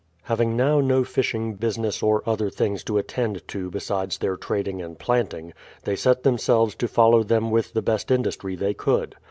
Having now no fishing business or other things to attend to besides their trading and planting, they set themselves to follow them with the best industry they could.